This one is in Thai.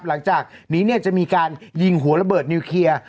หลังจากนี้จะมีการยิงหัวระเบิดนิวเคลียร์